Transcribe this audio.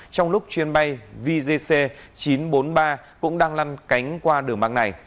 trong lúc chuyến bay vgc chín trăm bốn mươi ba cũng đang lăn cánh qua đường băng này